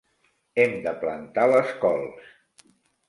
Hem de plantar les cols.